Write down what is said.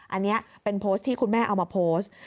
อันนี้เป็นโพสต์ที่คุณแม่เอามาโพสต์